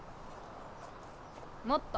もっと。